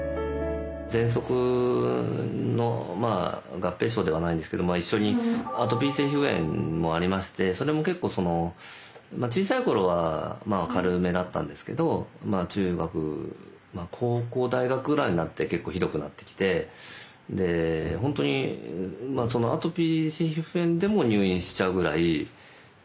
喘息のまあ合併症ではないんですけど一緒にアトピー性皮膚炎もありましてそれも結構小さい頃は軽めだったんですけど中学高校大学ぐらいになって結構ひどくなってきてアトピー性皮膚炎でも入院しちゃうぐらいひどかったんです。